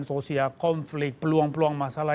sosial konflik peluang peluang masalah